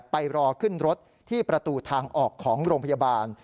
ไปรอขึ้นรถที่ประตูทางออกของโรงพยาบาล